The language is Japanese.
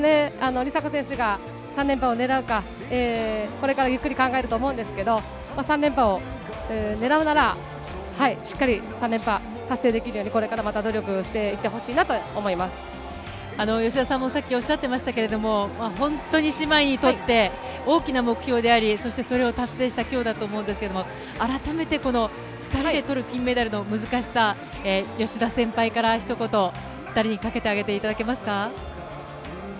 梨紗子選手が３連覇を狙うか、これからゆっくり考えると思うんですけど、３連覇を狙うなら、しっかり３連覇達成できるように、これからまた努力していってほし吉田さんもさっきおっしゃっていましたけれども、本当に姉妹にとって大きな目標であり、そしてそれを達成したきょうだと思うんですけれども、改めてこの２人でとる金メダルの難しさ、吉田先輩からひと言、２人にかけてあげていただけますか？